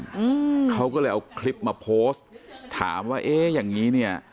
อืมเขาก็เลยเอาคลิปมาโพสต์ถามว่าเอ๊ะอย่างงี้เนี้ย